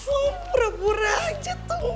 oh pura pura aja tuh